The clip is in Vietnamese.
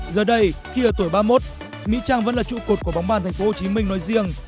giờ đây khi ở tuổi ba mươi một mỹ trang vẫn là trụ cột của bóng bàn tp hcm nói riêng